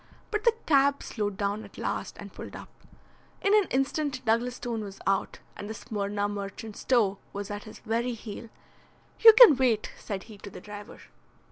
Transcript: But the cab slowed down at last and pulled up. In an instant Douglas Stone was out, and the Smyrna merchant's toe was at his very heel. "You can wait," said he to the driver.